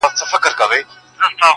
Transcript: اوپر هر میدان کامیابه پر دښمن سې!!